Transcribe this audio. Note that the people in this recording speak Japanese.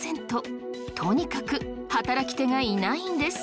とにかく働き手がいないんです。